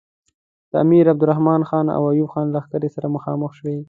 د امیر عبدالرحمن خان او ایوب خان لښکرې سره مخامخ شوې.